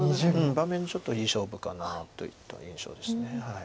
盤面でちょっといい勝負かなといった印象です。